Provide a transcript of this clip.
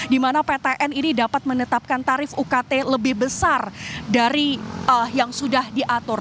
di mana ptn ini dapat menetapkan tarif ukt lebih besar dari yang sudah diatur